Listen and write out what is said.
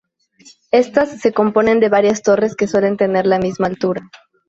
Estas se componen de varias torres que suelen tener la misma altura.